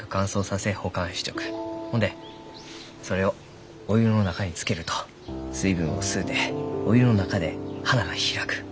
ほんでそれをお湯の中につけると水分を吸うてお湯の中で花が開く。